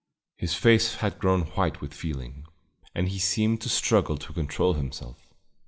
His face had grown white with feeling, and he seemed to struggle to control himself.